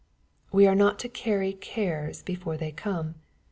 We are not to carry cares before they come.